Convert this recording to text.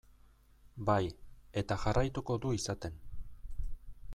Bai, eta jarraituko du izaten.